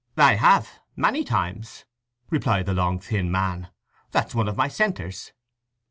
"I have—many times," replied the long thin man. "That's one of my centres."